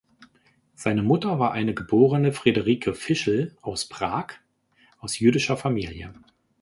Seine Mutter war eine geborene Friederike Fischel aus Prag, aus jüdischer Familie.